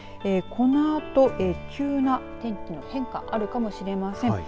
このあと急な天気の変化、あるかもしれません。